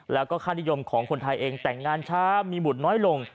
แล้วก็ค่านิยมของคนไทยเองแต่งงานช้ามีบุตรน้อยลง